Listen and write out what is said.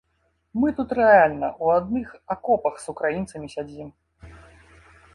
Мы тут рэальна ў адных акопах з украінцамі сядзім.